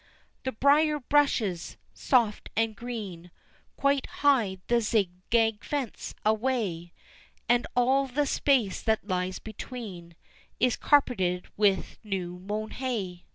The briar bushes soft and green Quite hide the zig gag fence away, And all the space that lies between Is carpeted with new mown hay.